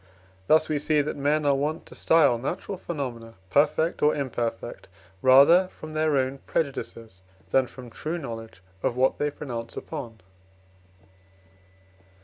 Thus we see that men are wont to style natural phenomena perfect or imperfect rather from their own prejudices, than from true knowledge of what they pronounce upon.